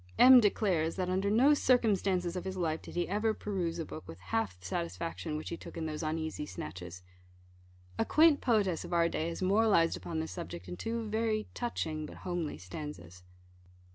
M. declares, that under no circumstances of his life did he ever peruse a book with half the satisfaction which he took in those uneasy snatches. A quaint poetess of our day has moralised upon this subject in two very touching but homely stanzas.